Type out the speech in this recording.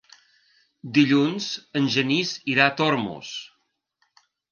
Dilluns en Genís irà a Tormos.